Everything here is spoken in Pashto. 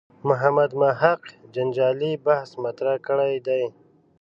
محمد محق جنجالي بحث مطرح کړی دی.